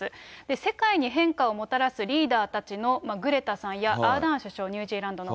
世界に変化をもたらすリーダーたちのグレタさんやアーダーン首相、ニュージーランドの。